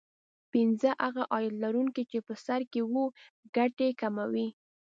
پینځه هغه عاید لرونکي چې په سر کې وو ګټې کموي